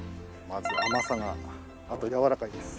まず甘さがあとやわらかいです。